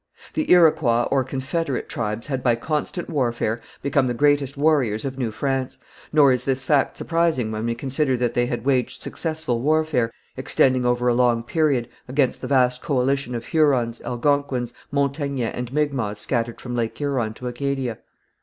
The Iroquois or confederate tribes had by constant warfare become the greatest warriors of New France, nor is this fact surprising when we consider that they had waged successful warfare, extending over a long period, against the vast coalition of Hurons, Algonquins, Montagnais and Micmacs scattered from Lake Huron to Acadia.